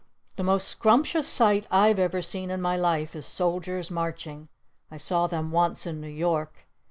The most scrumptious sight I've ever seen in my life is Soldiers Marching! I saw them once in New York!